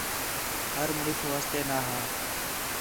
ہر مُݨس واسطے نا ہا